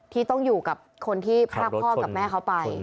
ที่ต้องอยู่กับคนที่พรากพ่อกับแม่เขาไป